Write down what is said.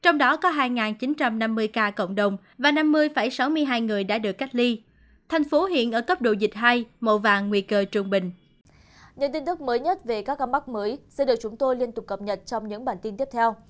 những tin tức mới nhất về các găm bắc mới sẽ được chúng tôi liên tục cập nhật trong những bản tin tiếp theo